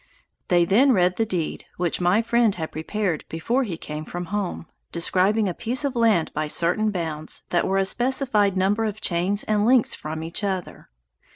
They then read the deed which my friend had prepared before he came from home, describing a piece of land by certain bounds that were a specified number of chains and links from each other.